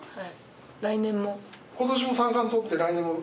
来年も。